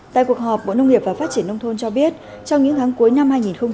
tại cuộc họp bộ nông nghiệp và phát triển nông thôn cho biết trong những tháng cuối năm hai nghìn một mươi chín